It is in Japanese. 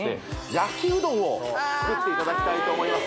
焼きうどんを作っていただきたいと思います